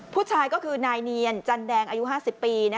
ผู้ชายก็คือนายเนียนจันแดงอายุ๕๐ปี